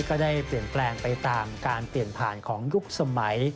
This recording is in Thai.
ก็ได้เปลี่ยนแปลงไปตามการเปลี่ยนผ่านของยุคสมัย